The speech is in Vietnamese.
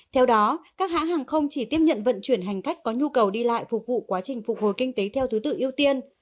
theo đó các hãng hàng không chỉ tiếp nhận vận chuyển hành khách có nhu cầu đi lại phục vụ quá trình phục hồi kinh tế theo thứ tự ưu tiên